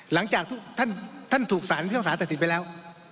หลังจากท่านถูกสารที่ต้องสารตัดสินไปแล้ว